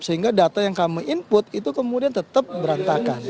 sehingga data yang kami input itu kemudian tetap berantakan